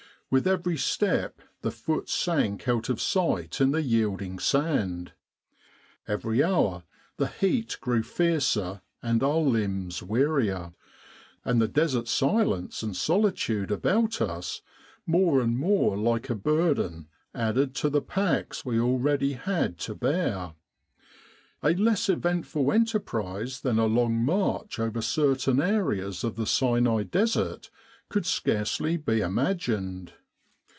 With every step the foot sank out of sight in the yielding sand. Every hour the heat grew fiercer and our .limbs wearier, and the Desert silence and solitude about us more and more like a burden added to the packs we already had to bear. A less eventful enterprise than a long march over certain areas of the Sinai Desert could scarcely be imagined.